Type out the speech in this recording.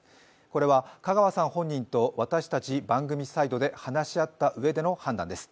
これは香川さん本人と私たち番組サイドで話し合ったうえでの判断です。